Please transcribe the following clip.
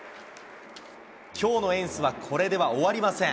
きょうのエンスはこれでは終わりません。